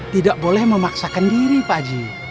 tidak boleh memaksakan diri pak ji